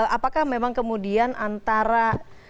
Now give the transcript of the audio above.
apakah memang kemudian antara